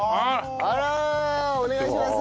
あらお願いします。